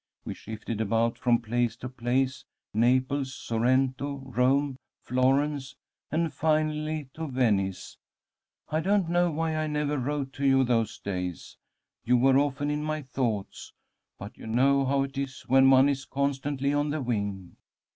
We shifted about from place to place, Naples, Sorrento, Rome, Florence, and finally to Venice. I don't know why I never wrote to you those days. You were often in my thoughts, but you know how it is when one is constantly on the wing.